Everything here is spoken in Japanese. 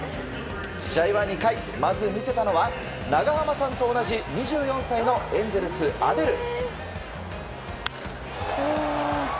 試合は２回、まず見せたのは長濱さんと同じ２４歳のエンゼルス、アデル。